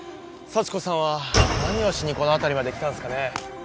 幸子さんは何をしにこの辺りまで来たんすかね？